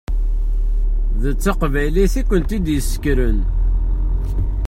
D taqbaylit i kent-id-yessekren.